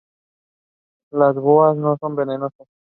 Las boas no son venenosas.